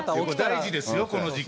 大事ですよ、この時期。